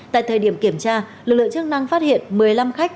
tại thời điểm kiểm tra lực lượng chức năng phát hiện một mươi năm khách